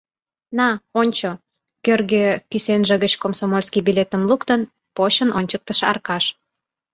На, ончо! — кӧргӧ кӱсенже гыч комсомольский билетым луктын, почын ончыктыш Аркаш.